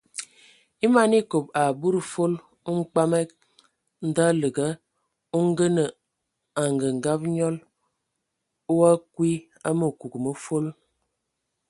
A man ekob a budi fol, mkpamag ndaləga o ngənə angəngab nyɔl,o akwi a məkug mə fol.